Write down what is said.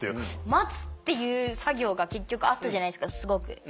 待つっていう作業が結局あったじゃないですかすごく。